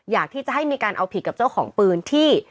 อยากที่จะให้มีการเอาผิดกับเจ้าของปืนที่